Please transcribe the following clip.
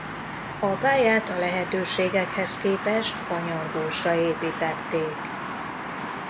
A pályát a lehetőségekhez képest kanyargósra építették.